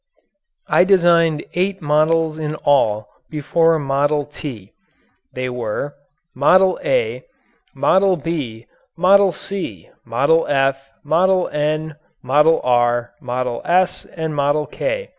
I designed eight models in all before "Model T." They were: "Model A," "Model B," "Model C," "Model F," "Model N," "Model R," "Model S," and "Model K."